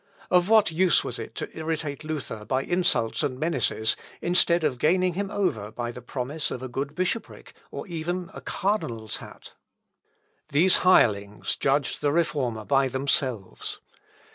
Of what use was it to irritate Luther by insults and menaces, instead of gaining him over by the promise of a good bishopric, or even of a Cardinal's hat. These hirelings judged the Reformer by themselves.